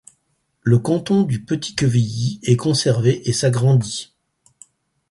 Le canton du Petit-Quevilly est conservé et s'agrandit.